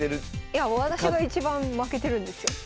いや私がいちばん負けてるんですよ。